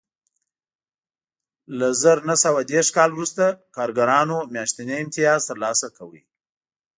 له زر نه سوه دېرش کال وروسته کارګرانو میاشتنی امتیاز ترلاسه کاوه